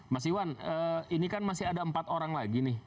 mas iwan ini kan masih ada empat orang lagi nih